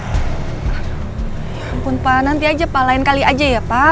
ampun pak nanti aja pak lain kali aja ya pak